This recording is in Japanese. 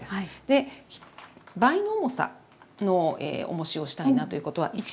倍の重さのおもしをしたいなということは１ｋｇ１ｋｇ。